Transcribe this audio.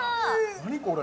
何これ？